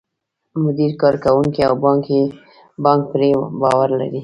مدیر، کارکوونکي او بانک پرې باور لري.